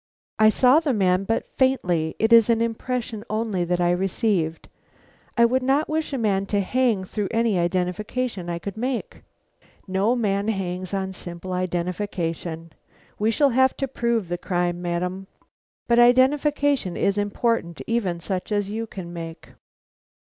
"I saw the man but faintly; it is an impression only that I received. I would not wish a man to hang through any identification I could make." "No man hangs on simple identification. We shall have to prove the crime, madam, but identification is important; even such as you can make."